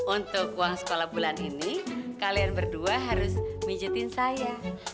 untuk uang sekolah bulan ini kalian berdua harus mijitin saya